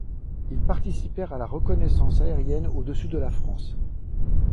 Ils participèrent à la reconnaissance aérienne au-dessus de la France.